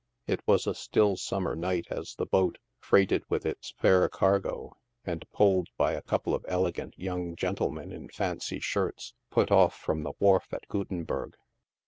It was a still summer night as the boat, freighted with its fair cargo, and pulled by a couple of elegant young gentlemen in fancy shirts, put off from the wharf at Guttenburg.